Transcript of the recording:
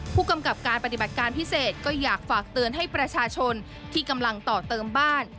ผู้กำกับการปฏิบัติการพิเศษก็อยากฝากเตือนให้ประชาชนที่กำลังต่อเติมบ้าน